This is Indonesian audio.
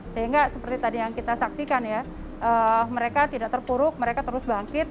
jadi seperti tadi yang kita saksikan mereka tidak terpuruk mereka terus bangkit